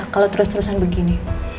kalau terus terusan begini